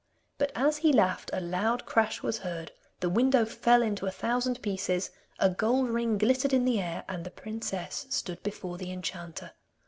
But as he laughed a loud crash was heard, the window fell into a thousand pieces, a gold ring glittered in the air, and the princess stood before the enchanter.